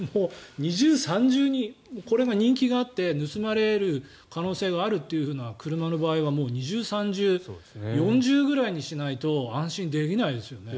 二重、三重にこれが人気があって盗まれる可能性があるという車の場合はもう二重、三重、四重ぐらいにしないと安心できないですよね。